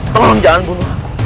tolong jangan bunuh aku